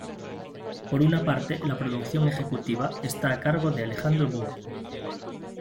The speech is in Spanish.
Por una parte la producción ejecutiva está a cargo de Alejandro Burr.